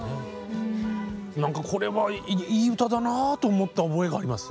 なんかこれはいい歌だなぁと思った覚えがあります。